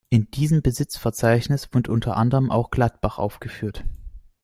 In diesem Besitzverzeichnis wird unter anderem auch Gladbach aufgeführt.